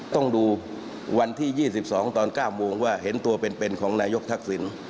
ต้องดูวันที่๒๒ตอน๙โมงว่าเห็นตัวเป็นของนายกทักษิณ